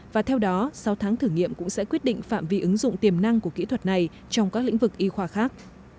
và theo đó sáu tháng thử nghiệm cũng sẽ quyết định phạm vi ứng dụng tiềm năng của kỹ thuật này trong các lĩnh vực y khoa khác